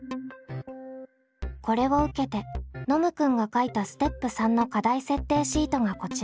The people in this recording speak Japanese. これを受けてノムくんが書いたステップ３の課題設定シートがこちら。